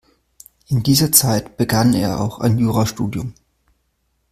In dieser Zeit begann er auch ein Jurastudium.